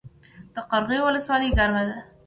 د قرغیو ولسوالۍ ګرمه ده